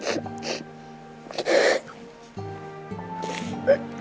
ขอบคุณครับ